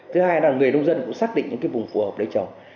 thứ hai là người nông dân cũng xác định những cái vùng phù hợp để trồng